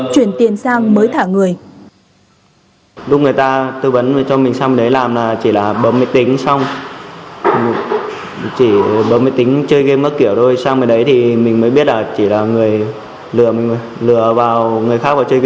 chuyển tiền sang mới thả người